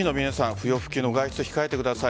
不要不急の外出、控えてくだい。